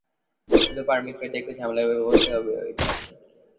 শুধু, পারমিট পেতে একটু ঝামেলা পোহাতে হয়েছে আরকি।